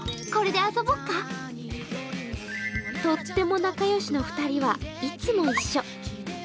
とっても仲良しの２人はいつも一緒。